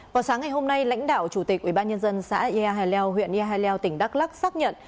vào sáng ngày hôm nay lãnh đạo chủ tịch ubnd xã yà hà leo huyện yà hà leo tỉnh đắk lắc xác nhận